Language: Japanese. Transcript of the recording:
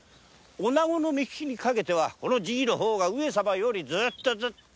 女子の目利きにかけてはこの爺の方が上様よりずーっとずっと。